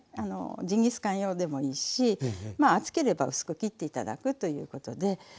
ジンギスカン用でもいいし厚ければ薄く切って頂くということで使って頂きたい。